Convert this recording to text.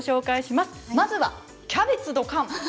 まずはキャベツドカン！